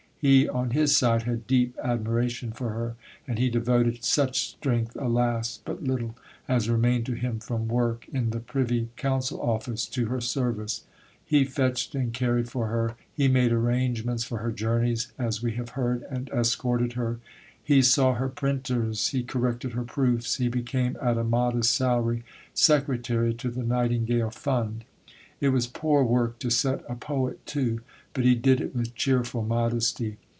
He on his side had deep admiration for her, and he devoted such strength alas! but little as remained to him from work in the Privy Council Office to her service. He fetched and carried for her. He made arrangements for her journeys, as we have heard, and escorted her. He saw her printers, he corrected her proofs. He became, at a modest salary, secretary to the Nightingale Fund. It was poor work to set a poet to, but he did it with cheerful modesty.